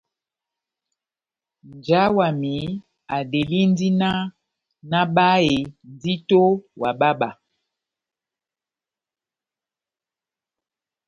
Nja wami adelindi náh nabáhe ndito wa bába.